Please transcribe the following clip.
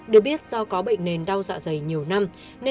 được biết do có bệnh nền đau dạ dày nhiều năm nên